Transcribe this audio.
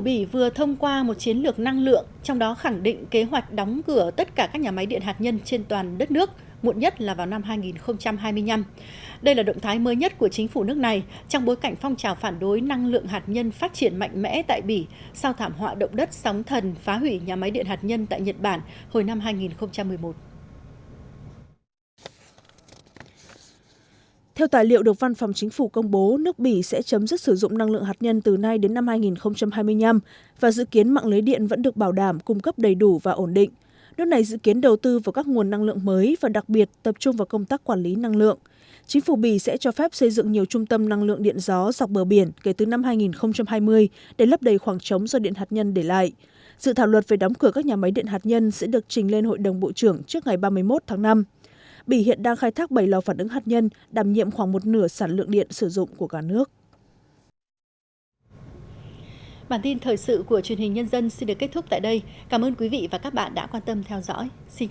bản tin thời sự của truyền hình nhân dân xin được kết thúc tại đây cảm ơn quý vị và các bạn đã quan tâm theo dõi xin kính chào và hẹn gặp lại